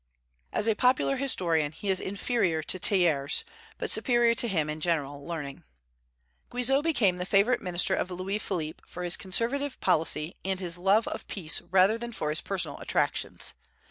As a popular historian he is inferior to Thiers, but superior to him in general learning. Guizot became the favorite minister of Louis Philippe for his conservative policy and his love of peace rather than for his personal attractions.